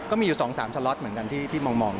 ก็มีอยู่๒๓สล็อตเหมือนกันที่มอง